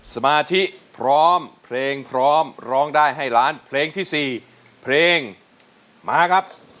สมาธิพร้อมเพลงพร้อมร้องได้ให้ล้านเพลงที่๔เพลงมาครับ